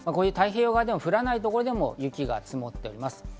太平洋側でも降らない所でも雪が積もっています。